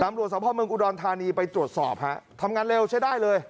ตำรวจสภาพเมืองอุดรธานีไปตรวจสอบฮะทำงานเร็วใช้ได้เลย